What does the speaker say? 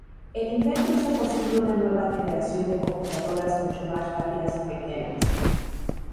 El invento hizo posible una nueva generación de computadoras mucho más rápidas y pequeñas.